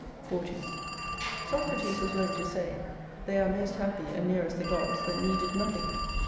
40 Socrates was wont to say — They are most hafpy and nearest the gods that needed nothing.